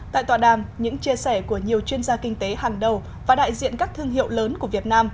tại tòa đàm những chia sẻ của nhiều chuyên gia kinh tế hàng đầu và đại diện các thương hiệu lớn của việt nam